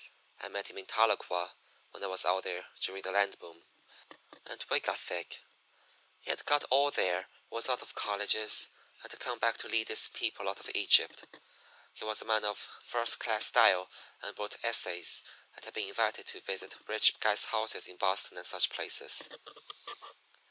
I met him in Tahlequah when I was out there during the land boom, and we got thick. He had got all there was out of colleges and had come back to lead his people out of Egypt. He was a man of first class style and wrote essays, and had been invited to visit rich guys' houses in Boston and such places.